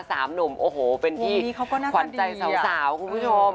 หนุ่มโอ้โหเป็นที่ขวัญใจสาวคุณผู้ชม